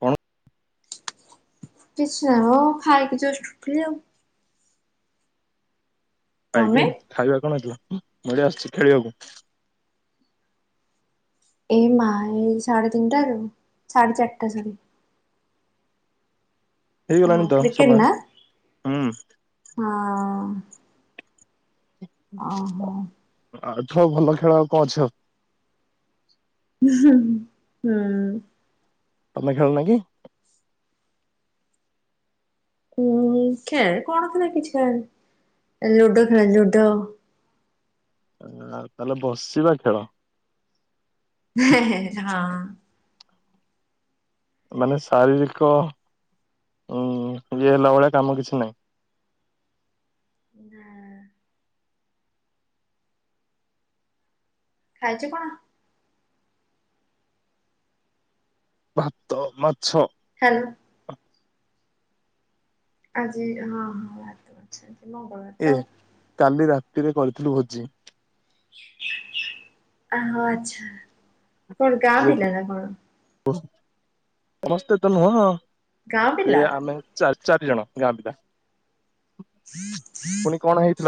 କଣ? କିଛି ନାହିଁ ମ ଖାଇକି ଜଷ୍ଟ୍ ଉଠିଲି ଆଉ। ଭାଇ ତମେ? କିି ଖାଇବା କଣ ହେଇଚି? ବଢିଆ ଆସୁଛି ଖେଳିବାକୁ । ଏଇ ମା ଏଇ ସାଢେ ତିନିଟାରୁ ସାଢେ ଚାରିଟା ସରି ହଁ ହେଇଗଲାଣି ତ କ୍ରିକେଟ ସମୟ ନା ହୁଁ। ଓ ହୋ। ଆଠୁ ଆଉ ଭଲ ଖେଳ କଣ ଅଛ ଆଉ। ହୁଁ। ତମେ ଖେଳନା କି? ଉଁ ଖେଳ କଣ ଖେଳେ କିଛି ଖେଳେନି ଲୁଡୋ ଖେଳେ ଲୁଡୋ। ଉ ତାହେଲେ ବସିବା ଖେଳ। ହଁ। ମାନେ ଶାରୀରିକ ଉ ଇଏ ହେଲା ଭଳିଆ କାମ କିଛି ନାହିଁ। ନାଁ ଖାଇଛ କଣ? ଭାତ ମତ ହ୍ୟାଲ ଆଜି ହଁ ହଁ ବା ତ ଅଛି ଏ କାଲି ରାତି ରେ କରିଥିଲୁ ଭୋଜି [unintelligible] ଆ ହୋଓ ଆଚ୍ଛା, କଣ ଗାଁ ପିଲା ନା କଣ ସମସ୍ତେତ ନୁହଁ ଗାଁ ଏ ପିଲା ଆମେ ଚାର ଚାରି ଜଣ ଗାଁ ପିିଲା,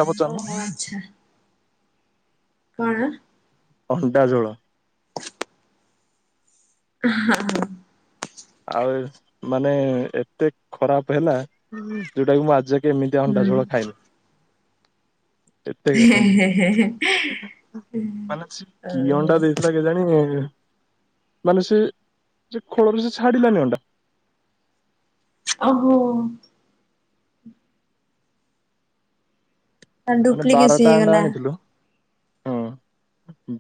ପଚାରୁନ ଓହୋ ଆଛା। କଣ? ଅଣ୍ଡା ଝୋଳ ହଁ ଅ ଆଉ ମାନେ ଏତେ ଖରାପ ହେଲା ଯୋଉଟା କି ମୁଁ ଆଜି ଯାଏ କେମିତିଆ ହୁଁ ଅଣ୍ଡା ଝୋଳ ଖାଇନି, ଏତେ ମାନେ ସେ କି ଅଣ୍ଡା ଦେଇଥିଲା କେଜାଣି ମାନେ ସେ ସେ ଖଳରେ ସେ ଛାଡିଲାନି ଅଣ୍ଡା ଓହୋ, ମାନେ ଡୁପ୍ଲିକେଟ ବାରଟା ସିଏ ଅଣ୍ଡା ହେଇଗଲା। ଆଣିଥିଲୁ ହଁ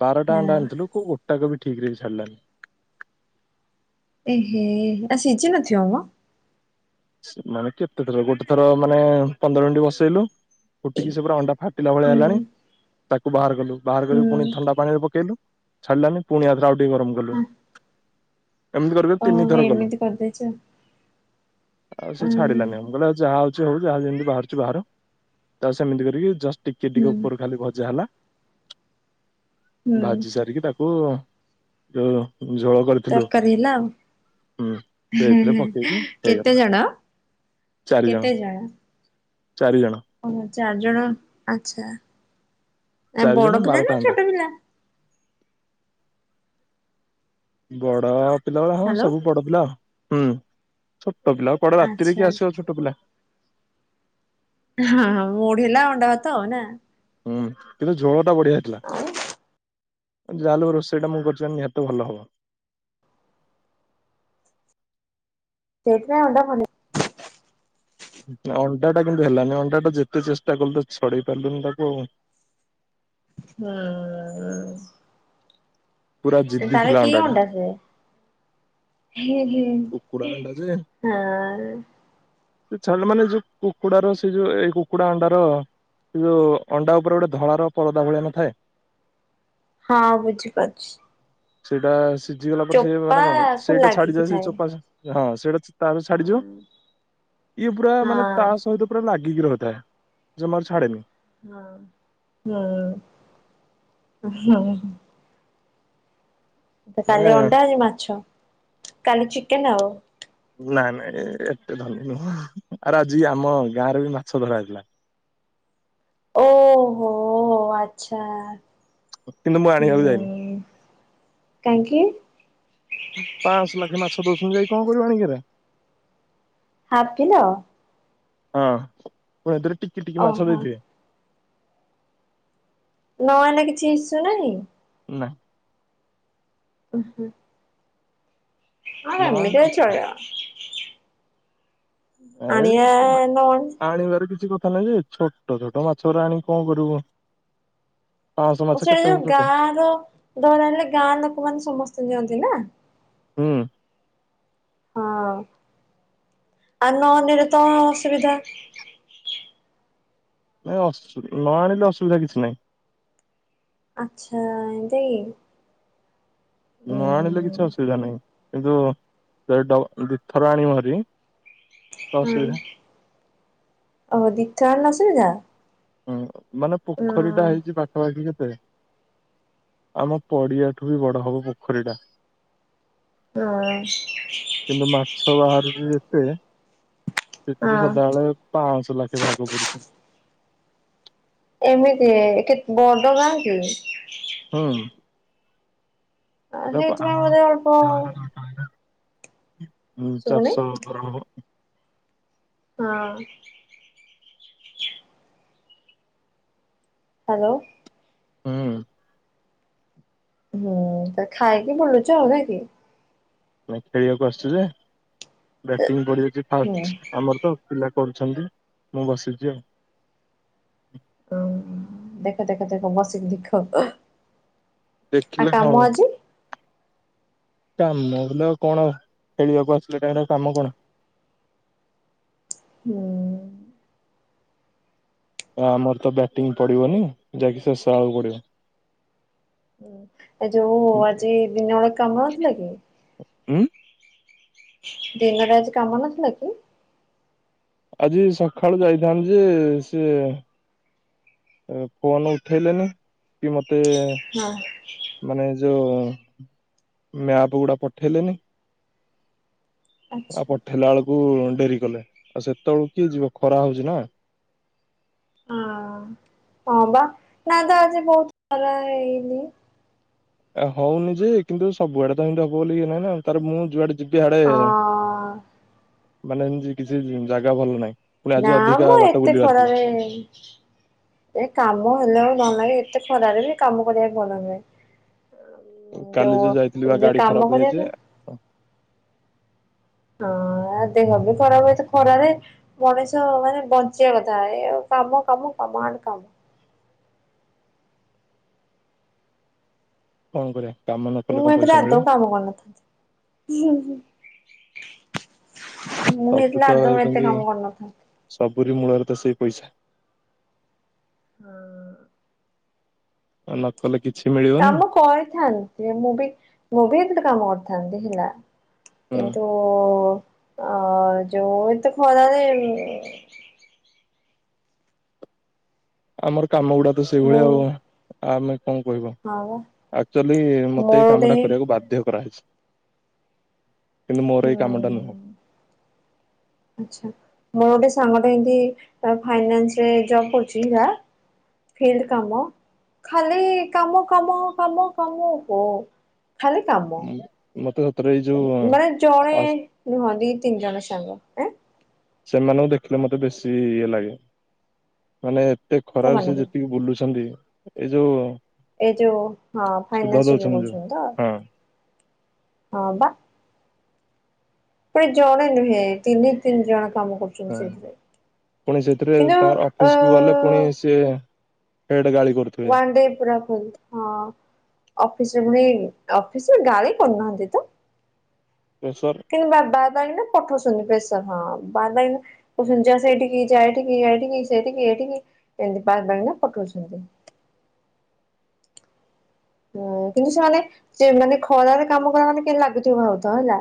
ବାରଟା ହଁ ଅଣ୍ଡା ଆଣିଥିଲୁ କୋଉୋଗୋ ତାକୁ ବି ଠିକ ରେ ବି ଛାଡ଼ିଲାନି ଏ ହେ ଆ ସିଝି ନ ଥିବ ମ ମାନେ କେତେଥର ଗୋଟେ ଥର ମାନେ ପନ୍ଦର ମିନିଟ ବସେଇଲୁ। ଫୁଟିକି ସେ ପୁରା ଅଣ୍ଡା ଫାଟିଲା ଭଳିଆ ହୁଁ ହେଲାଣି ତାକୁ ବାହାର କଲୁ ବାହାର କରିବି ପୁଣି ହୁଁ ଥଣ୍ଡା ପାଣିରେ ପକେଇଲୁ ଛଡ଼ିଲାନି ପୁଣି ଆଉଥରେ ଗରମ କଲୁ ଏମିତି କରି କରି ଓ ତିନି ଥର କଲୁ ଏମିତି କରିଦେଇଚ। ଆଉ ସେ ଛାଡିଲାନି ଆମେ କହିଲ ଯାହା ହଉଚି ହଉ ଯାହା ଯେମିତି ବାହାରୁଛି ବାହାରୁ ତାକୁ ସେମିତି କରିକି ଯଷ୍ଟ ଟିକେ ହୁଁ ଟିକେ ଉପର ଖାଲି ଭଜା ହେଲା। ହୁଁ ଭାଜି ସାରିକି ତାକୁ ହୁଁ। ଝୋଳ କରିଥିଲୁ ତରକାରୀ ହେଲା ଆଉ ହୁଁ ହେଁ ସେଇଥିରେ ହେଁ ପକେଇକି ହେଇଗଲା କେତେ ଜଣ କେତେ ଜଣ। ଚାରି ଜଣ। ଓ ହୋ ଚାର ଜଣ ଆଚ୍ଛା। ଚାରି ଜଣ ବଡ ପିଲା ବାରଟା ନା ଅଣ୍ଡା ଛୋଟ ପିଲା। ବଡ ପିଲାବେଳେ ହବ ହ୍ୟାଲୋ ସବୁ ବଡପିଲା ଆଉ। ହୁଁ। ଛୋଟ ପିଲା କୁଆଡେ ରାତିରେ ଆଚ୍ଛା କି ଆସିବ ଛୋଟ ପିଲା। ହଁ ହଁ ମୁଢିଲା ଅଣ୍ଡା ଭାତ ଆଉ ନା। ହୁଁ କିନ୍ତୁ ଝୋଳ ବଢିଆ ହେଇଥିଲା। ଆଉ ଜାଲୁ ରୋଷେଇ ଟା ମୁଁ କରିଛି ନିହାତି ଭଲ ହବ। ସେଇଥିପାଇଁ ଅଣ୍ଡା ପନିର୍। ଅଣ୍ଡା ଟା କିନ୍ତୁ ହେଲାନି ଅଣ୍ଡା ଟା ଯେତେ ଚେଷ୍ଟା କଲୁ ତ ଛଡେଇ ପାରିଲୁନି ତାକୁ ଆଉ। ହୁଁ। ପୁରା ଜିଦି ତାର ଥିଲା କି ଅଣ୍ଡା ଟା। ସେ କୁକୁଡା ଅଣ୍ଡା ଯେ ହଁ। ସେ ଛେଳିମାନେ ଯୋଉ କୁକୁଡାର ସେ ଯୋଉ ଏଇ କୁକୁଡା ଅଣ୍ଡାର ସେ ଯୋଉ ଅଣ୍ଡା ଉପରେ ଗୋଟେ ଧଳାର ପରଦା ଭଳିଆ ନଥାଏ। ହଁ ବୁଝିପାରୁଛି। ସେଇଟା ସ୍ ସିଝିଗଲା ପରେ ସେ ମାନେ କଣ ଚୋପାକୁ ସେଇଟା ଲାଗିକି ଛାଡିଯାଏ ସେ ଥାଏ। ଚୋ ହଁ ସେଇଟା ଛ ତାପରେ ଛାଡି ଯିବ, ହଁ ଇଏ ପୁରା ହଁ ମାନେ ତା ସହିତ ପୁରା ଲାଗି [unintelligible] ଜମାରୁ ଛାଡେନି। ହଁ ହୁଁ ହୁଁ ହୁଁ ତ ମାନେ କାଲି ଅଣ୍ଡା ଆଜି ମାଛ। କାଲି ଚିକେନ୍ ଆଉ। ନାଇ ନାଇଁ ଏତେ ଧନୀ ନୁହଁ ହୁଁହୁଁ ଆରେ ଆଜି ଆମ ଗାଁରେ ବି ମାଛ ଧରାହେଇଥିଲା। ଓହୋଃ ଆଚ୍ଛା ଚୁ କିନ୍ତୁ ମୁଁ ଆଣିବାକୁ ହୁଁ। ଯାଇନି। କାହିଁକି? ପାଅଁଶ ନାଖେ ମାଛ ଦଉଛନ୍ତି, ଯାଇ କଣ କରିବ ଆଣିକି ହେରା। Half kilo? ହଁ [unintelligible] ଟିକି ଟିକି ମାଛ ଓହୋ ଦେଇଥିବେ। ନା ନା କିଛି ଇସୁ ନାହିଁ? ନା। ହୁଁ ହୁଁ। ନ ହଁ ଆଣିଲେ ଅସୁବିଧା ନାହିଁ [unintelligible] ଏ ଆଣିବାଆଆ ନା ଆଣିବାର [inaudible] ଛୋଟ ଛୋଟ ମାଛଗୁରା ଆଣି କଣ କରିବୁ? ପାଞ୍ଚଶହ ମାଛ ସେଇଟା କେତେ ହବ ଯୋଉ ଛୋଟ ଗାଁଆର ଧରାହେଲେ ଗାଁ ଲୋକମାନେ ସମସ୍ତେ ନିିଅନ୍ତି। [unintelligible] ନା ହୁଁ। ହଁଅଅ, ଆଉ ନହେଲେ ବି ତ ଅସୁବିଧା। ନାଇ ଅସୁ ନ ଆଣିଲେ ଅସୁବିଧା କିଛି ନାହିଁ। ଆଛା ଏମିତି ନ ଆଣିଲେ ଉଁ କିଛି ଅସୁବିଧା ନାହିଁ। କିନ୍ତୁ ଯଦି ଡ ଦିଥର ଆଣିବ ହେରି ହୁଁ ଓ ଦିଥର ଆଣିଲେ ଅସୁବିଧା? ହୁଁ ମାନେ ଉଁ ପୋଖରୀଟା ହେଇଛି ପାଖାପାଖି [inaudible] ଆମ ପଡିଆଠୁ ବି ବଡ ହବ ପୋଖରୀଟା। ହୁଁ ଉଁ ଉଁ କିନ୍ତୁ ମାଛ ବାହାରୁଛି ଯେତେ ସେ ହଁ ସଦାବେଳେ ପାଞ୍ଚ ଲଖେ ଭାଗ ପୁଛନ୍ତି। ଏମିତି ବଡ ଗାଁ କି। ହଁ। ଆ ହେଇଟ ମମରେେ ଅଳପ। ହ। ହଁ ଚାରିଶହ ବ। ହଁ। ହ୍ୟାଲୋ। ହଁ। ହୁଁ ତା ଖାଇକି ବଲୁଛ ନକ କି। ମେ ଖେଳିବାକୁ ଆସିୁଛୁ ଯେ। ବ୍ୟାଟିଂ ପଢିଛି ହୁଁ ଫାଷ୍ଟ ଆମର ତ ପିଲା। କରୁଛନ୍ତି ମୁଁ ବସିଛି ଆଉ ହଁ ଦେଖ ଦେଖ ଦେଖ ବସିିକି ଦେଖ ଦେଖିଲେ କଣ କାମ ଆଜି କାମଲେ କଣ ଖେଳିବାକୁ ଆସିଲ ଟଙ୍କର କାମ କଣ? ହୁଁ। ଆମର ତ ବ୍ୟାଟିଂ ପଡିବନି ଯାଇକି ସେଷଆଡକୁ ପଡିବ। ଏ ଯୋଉ ଆଜି ଦିନ ବେଳେ କାମ ନଥିଲା କି। ହମ୍ଁ। ଦିନରେ ଆଜି କାମ ନଥିଲା କି? ଆଜି ସକାଳୁ ଯାଇଥାନ୍ତି ଯେ ସିଏ ଫୋନ ଉଠେଇଲେନି କି ମତେ ହଁ ମାନେ ଯୋଉ ମ୍ୟାପ ଗୁଡା ପଠେଇଲେନି ଆଚ୍ଛା ଆଉ ପଠେଇଲା ବେଳକୁ ଡେରି କଲେ ଆଉ ସେତେବେଳକୁ କିଏ ଯିବ ଖରା ହଉଛି ନା। ହଁ ହଁ ହଁ ବା ନାଦ ଆଜି ବହୁତ ଖରାହେଇନି। ହଉନି ଯେ କିନ୍ତୁ ସବୁଆଡେ ତମିତି ହବ ବୋଲି ଇଏ ନାଇଁ ନା ତାର ମୁଁ ଯୁଆଡେ ଯଗି ହଡେ ହଁ ମାନେ ଏମିତି କିଛି ଜାଗା ଭଲ ନାହିଁ। ପୁଣି ଆଜି ନା ଅଧିକା ମୁ ବାଟ ଏତେ ବୁଲିବାର ଥିଲା ଖରାରେ ଏ କାମ ହେଲ ଭଲ ଲାଗେ ଏତେ ଖରାରେ କାମ କରିବାକୁ ବି ଭଲ ନୁହେଁ। କାଲି ଯୋଉ ଯାଇଥିଲି ବା ଯେ ଗାଡି କାମ ଖରାପ କରିବା ପାଇଁ ହେଇଯାଇଛି। ହଁ ଦେଖବ ଖରା ହୁଏ ତ ଖରାରେ ମଣିଷ ମାନେ ବଞ୍ଚିବା କଥା ଏ କାମ କାମ କାମ ଆ କାମ। କଣ କରିଆ। ମୁଁ ଏଥିରେ ଆଦ କାମ କରନଥାନ୍ତି। ମୁଁ ସବୁ ନେଇଥିଲା ଆଦ ଏତେ କାମ କରନଥାନ୍ତି। ପୁରୀ ମୂଳରେ ତ ସେଇ ପଇସା। ହଁ। ନକଲ କିଛି ମିଳିବନି କାମ କରିଥାନ୍ତି ମୁଁ ବି ମୁଁ ବି ଏତବେଳେ କାମ କରିଥାନ୍ତି। ଥାଦେ ହେଲା ହୁଁ କିନ୍ତୁ ଅ ଯୋ ଏ ଏତେ ଖରାରେ ଆମର କାମ ଗୁଡା ତ ମୁଁ ସେଇଭଳିଆ ଆଉ। ଆମେ କଣ କହିବ ହଁ ବା ଆକ୍ଚୁଆଲି ମତେ ମୋର ଏଇ କାମ ଗୋଟେ ଟା କରିବାକୁ ବାଧ୍ୟ କରାହୋଇଛି। କିନ୍ତ ମୋର ହୁଁ କାମଟା ନୁହଁ। ଆଛା ମୋର ଗୋଟେ ସାଙ୍ଗଟ ଏମତି ଫାଇନାନ୍ସରେ ଜବ କରୁଛି ଫ କାମ ଖାଲି କାମ କାମ କାମ କାମ ଓ ହୋ। ଖାଲି କାମ ମୋତେ ମାନେ ଜଣେ ନୁହଁନ୍ତି ଦି ତିନି ଜଣ ସାଙ୍ଗ ସେମାନଙ୍କୁ ଦେଖିଲେ ମତେ ବେଶୀ ଇଏ ଲାଗେ ମାନେ ଏତେ ଖରାରେ ସେ ପୁଅମାନଙ୍କୁ ଯେତିକି ବୁଲୁଛନ୍ତି ଏଇ ଯୋଉ ଏଇ ଯୋଉ ହଁ ସୁଧ ଫାଇନ୍ସ ଯଉ ଦଉଛନ୍ତି ଯୋଉ ରହୁଛନ୍ତି ହଁ ହଁବା ପେ ଜଣ ନୁହଁ ତିନି ତିନ ଜଣ କାମ ହୁଁ କରୁଛନ୍ତି ସେଇଥିରେ ପୁଣି ସେଥିରେ କିନ୍ତୁ ତାଙ୍କର ଅ ଅଫିସକୁୁ ଗଲେ ପୁଣି ସିଏ ହେଡ ଗାଳି କରୁଥିବେ ୱାନ ଡେ ପୁରା ଫଲ ହଁ ଅଫ ଅଫିସରେ ପୁଣି ଅଫିସରେ ଗାଳି କରୁନାହାଁନ୍ତି ତ ପ୍ରେସର କିନ୍ତୁ ବାବା ପାଇଁ ନା ପଠଉଛନ୍ତି ବେଶ ତ ହଁ ବାରବାର କହୁଛନ୍ତି ସେଇଠି ଯା ଏଠିକ ଏଠ ସେଠିକ ଏଇଠିକି ଏମିତି ବାରବାର ନା ପଠଉଛନ୍ତି ହଁ କିନ୍ତୁ ସେମାନେ ସେ ମାନେ ଖରାରେ କାମ କର ମାନେ କେମତି ଲାଗୁଥିବ ଭାବୁଥିବ ହେଲା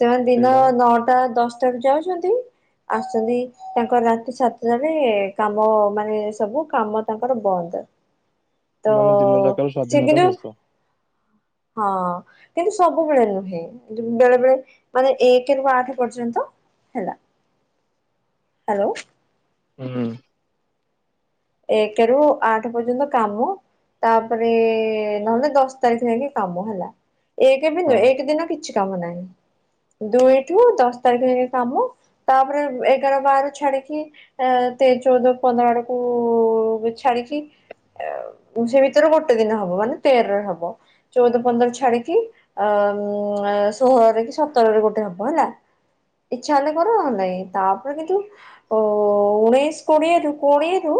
ସେମାନେ ଦିନ ସେଇଟା ବା ନଅଟା ଦଶ ଟା ରୁ ଯାଉଛନ୍ତି ଆସୁଛନ୍ତି ତାଙ୍କର ରାତି ସାତଟାରେ କାମ ମାନେ ସବୁ କାମ ତାଙ୍କର ବନ୍ଦ ତ ମାନେ ଦିନ ଯାକର ସେ ସ୍ଵାଧୀନତା କିନ୍ତୁ ଶେଷ ହଁ କିନ୍ତୁ ସବୁବେଳେ ନୁହେଁ ବେଳେ ବେଳେ ମାନେ ଏକରୁୁ ଆଠ ପର୍ଯ୍ୟନ୍ତ ହେଲା। ହ୍ୟାଲୋ। ହୁଁ। ଏକ ରୁ ଆଠ ପର୍ଯ୍ୟନ୍ତ କାମ ତାପରେ ନହେଲେ ଦଶ ତାରିଖ ଯାଇକି କାମ ହେଲା ଏକ ବି ନୁହଁ ହଁ ଏକ ଦିନ କିଛି କାମ ନାହିଁ ଦୁଇଠୁ ଦଶ ତାରିଖ ଯାଇକି କାମ ତାପରେ ଏଗାର ବାର ଛାଡିକି ଚଉଦ ପନ୍ଦରକୁ କୁ-ଉ -ଛାଡିକି ସେ ଭିତରେ ଗୋଟେ ଦିନ ହବ ମାନେ ତେରରେ ହବ ଚଉଦ ପନ୍ଦର ଛାଡିକି ଅମ ଅ-ଷୋହଳରେ କି ସତରରେ ଗୋଟେ ହବ ହେଲା ଇଚ୍ଛା ହେଲେ କର ନହେଲେ ନାଇଁ ତାପରେ କିନ୍ତୁ ଉ-ଉଣେଇଶ କୋଡିଏରୁ କୋଡିଏ ରୁ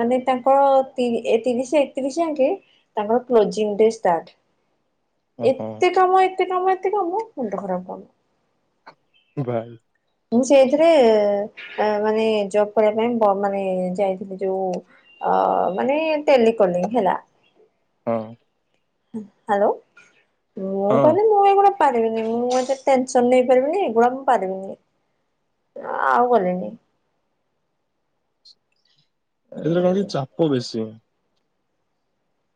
ମାନେ ତାଙ୍କର ତିରିଶ ଏ ଏକତିରିଶ ଆଙ୍କେ ତାଙ୍କର କ୍ଲୋଜିଂ ଡେ ଷ୍ଟାର୍ଟ। ଓହୋ ଏତେ କାମ ଏତେ କାମ ଏତେ କାମ ମୁଣ୍ଡ ଖରାପ କାମ ବାଃ ମୁଁ ସେଇଥିରେ ମାନେ ଜବ କରିବା ପାଇଁ ମାନେ ଯାଇଥିଲି ଯୋଉ ଅ ମାନେ ଟେଲିକଲିଂ ହେଲା। ହଁ ହ୍ୟାଲୋ ମୁଁ ହଁ କହିଲି ମୁଁ ଏ ଗୋଟେ ପାରିବିନି ମୁଁ ମତେ ଟେନସନ ନେଇ ପାରିବିନି ଏଗୁଡା ମୁଁ ପାରିବିନି ଆଉ ଗଲିନି ଏଥିରେ କଣ କି ଚାପ ବେଶୀ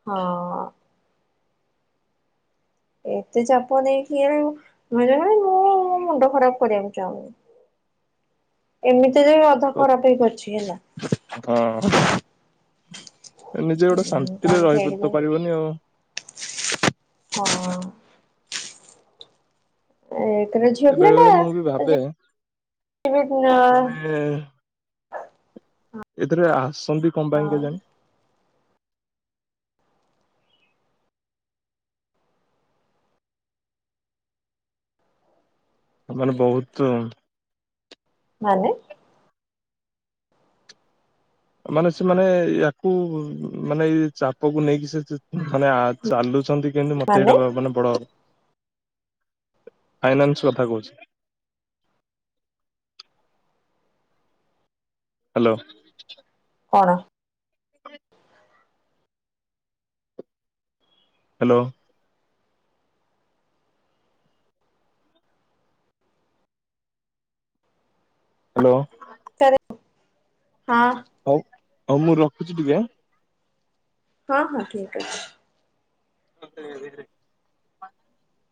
ହଁ ଏତେ ଚାପ ନେଇକି [unintelligible] ମୁଁ ମୋ ମୁଣ୍ଡ ଖରାପ କରିବାକୁ ଚାହୁଁନି ଏମିତି ସେଥିରେ ବି ଅଧା ସତ- ଖରାପ ହେଇକି ଅଛି ହଁ ହେଲା। ନିଜେ ଗୋଟେ ଶାନ୍ତିରେ ତାହେଲେ ରହି ସେଇଠି ଯାଇ ତ ପାରିବନି ଆଉ। ହଁ ଏ ତାପରେ ଝିଅ ଏ ପିଲା ବେଳେ ନା ବେଳେ ମୁଁ ବି ଭାବେ ମାନେ [unintelligible] [inaudible] ଏଥିରେ ଆ [unintelligible] କଣ ପାଇଁ କେଜାଣି ସେମାନେ ବୋହୁତ ମାନେ ମାନେ ସେମାନେ ୟାକୁ ମାନେ ଇ ଚା ପାପକୁ ନେଇକି ସେ ମାନେ ଆ ଚାଲୁଚନ୍ତି। କିନ୍ତୁ ମତେ ଏଇଟା ମାନେ ବଡ଼ ଫାଇନାନ୍ସ କଥା କହୁଛି। ହାଲୋ କଣ? [inaudible] ହାଲୋ ହାଲୋ ହଁ ହଉ ହଉ ମୁଁ ରଖୁଚି ଟିକେ ଆଁ ହଁ ହଁ ଠିକ୍ ଅଛି। [unintelligible]